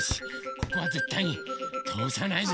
ここはぜったいにとおさないぞ！